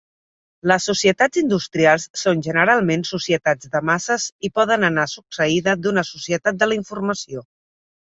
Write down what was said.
Les societats industrials són generalment societats de masses i poden anar succeïda d'una societat de la informació.